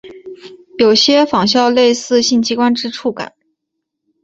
有些仿效类似性器官之触感。